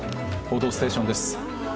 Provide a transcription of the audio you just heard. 「報道ステーション」です。